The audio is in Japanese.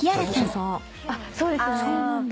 あっそうですね。